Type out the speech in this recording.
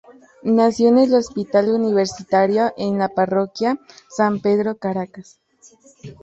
Nació en el Hospital Universitario, en la Parroquia San Pedro, Caracas.